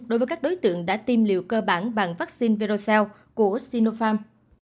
đối với các đối tượng đã tiêm liều cơ bản bằng vaccine verocell của sinopharm